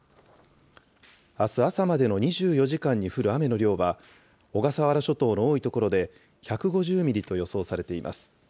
あす朝までの２４時間に降る雨の量は、小笠原諸島の多い所で１５０ミリと予想されています。